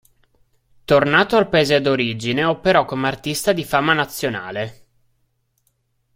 Tornato al paese d'origine operò come artista di fama nazionale.